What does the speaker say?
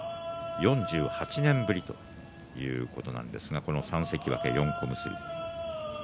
４８年ぶりということなんですが３関脇、４小結。